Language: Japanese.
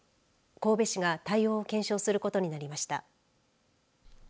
神戸市が対応を検証することになりました。